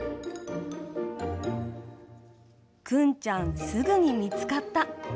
くんちゃん、すぐにみつかった。